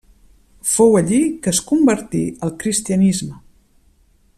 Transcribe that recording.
Fou allí que es convertí al cristianisme.